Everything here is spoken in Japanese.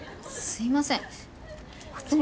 すいません。